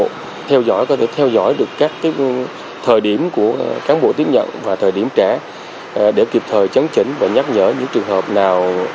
các doanh nghiệp có thể theo dõi được các thời điểm của cán bộ tiếp nhận và thời điểm trả để kịp thời chấn chỉnh và nhắc nhở những trường hợp nào